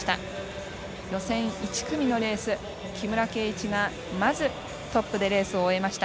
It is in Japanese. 予選１組のレース、木村敬一がまずトップでレースを終えました。